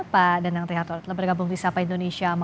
pak danang tri hartono